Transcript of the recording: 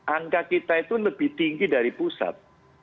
angka kita itu lebih tinggi dari pusat